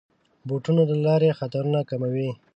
بوټونه د لارو خطرونه کموي.